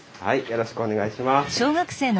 よろしくお願いします。